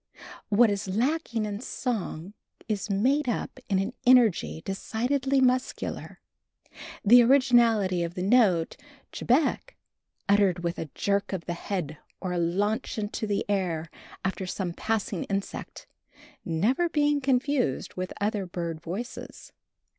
What is lacking in song is made up in an energy decidedly muscular, the originality of the note chebec, uttered with a jerk of the head or a launch into the air after some passing insect, never being confused with other bird voices.